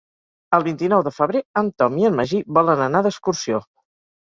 El vint-i-nou de febrer en Tom i en Magí volen anar d'excursió.